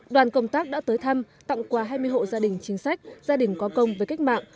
đoàn công tác đã tới thăm tặng quà hai mươi hộ gia đình chính sách gia đình có công với cách mạng